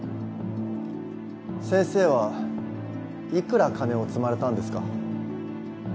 先生は幾ら金を積まれたんですか？